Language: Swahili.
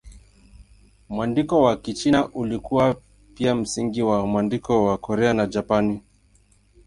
Mwandiko wa Kichina ulikuwa pia msingi wa mwandiko wa Korea na Japani.